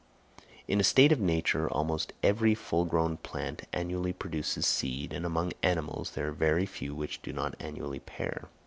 In a state of nature almost every full grown plant annually produces seed, and among animals there are very few which do not annually pair.